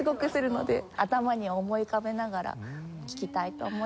頭に思い浮かべながら聴きたいと思います。